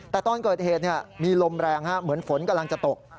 แต่ตอนเกิดเหตุมีลมแรงเหมือนฝนกำลังจะตก